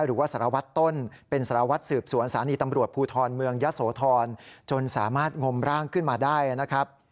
หรือว่าสารวัตรต้นเป็นสารวัตรสืบสวนสารีตำรวจภูทรเมืองยะโสธรจนสามารถงมร่างขึ้นมาได้นะครับ